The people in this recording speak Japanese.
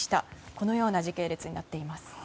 このような時系列になっています。